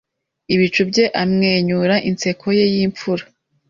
ibicu bye amwenyura inseko ye yimfura